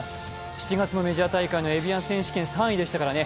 ７月のメジャー大会エビアン選手権、３位でしたからね。